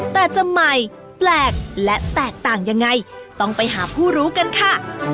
แต่จะใหม่แปลกและแตกต่างยังไงต้องไปหาผู้รู้กันค่ะ